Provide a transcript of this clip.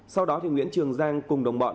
sau đó thì nguyễn trường giang cùng đồng bọn